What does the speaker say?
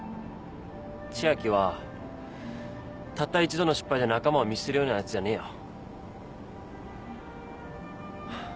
千秋はたった一度の失敗で仲間を見捨てるようなヤツじゃねえよ。